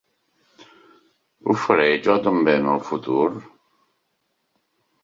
¿Ho faré, jo també, en el futur?